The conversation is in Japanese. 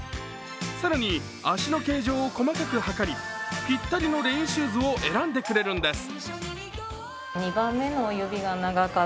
更に足の形状を細かく測りぴったりのレインシューズを選んでくれるんです。